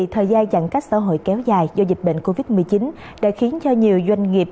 thời gian giãn cách xã hội kéo dài do dịch bệnh covid một mươi chín đã khiến cho nhiều doanh nghiệp